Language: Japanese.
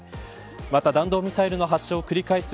また弾道ミサイルの発射を繰り返す